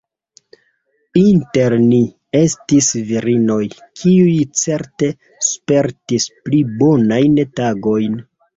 Inter ni estis virinoj, kiuj certe spertis pli bonajn tagojn.